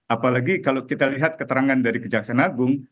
apalagi kalau kita lihat keterangan dari kejaksaan agung